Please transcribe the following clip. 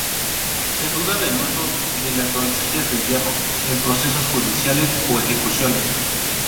Se duda del uso de las doncellas de hierro en procesos judiciales o ejecuciones.